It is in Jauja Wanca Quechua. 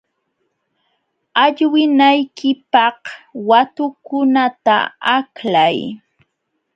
Allwinaykipaq watukunata aklay.